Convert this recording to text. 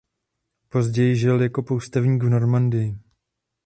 Později žil jako poustevník v Normandii.